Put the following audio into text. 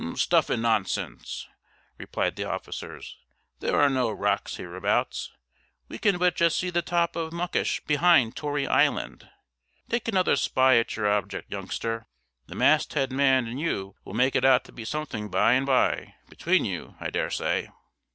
"Stuff and nonsense!" replied the officers, "there are no rocks hereabouts; we can but just see the top of Muckish, behind Tory Island. Take another spy at your object, youngster; the mast head man and you will make it out to be something by and by, between you, I dare say."